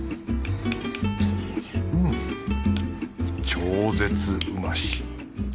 超絶うまし。